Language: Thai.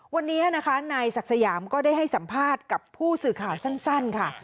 วันนี้นะคะนายศักดิ์สยามก็ได้ให้สัมภาษณ์กับผู้สื่อข่าวสั้นค่ะ